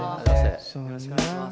よろしくお願いします。